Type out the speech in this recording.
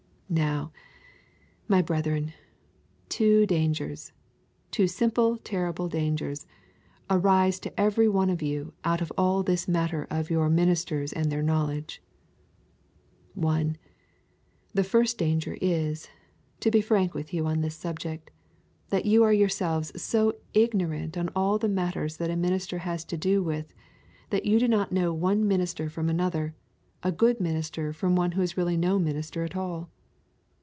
Now, my brethren, two dangers, two simply terrible dangers, arise to every one of you out of all this matter of your ministers and their knowledge. 1. The first danger is, to be frank with you on this subject, that you are yourselves so ignorant on all the matters that a minister has to do with, that you do not know one minister from another, a good minister from one who is really no minister at all.